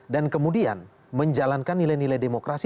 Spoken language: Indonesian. dan kemudian menjalankan nilai nilai demokrasi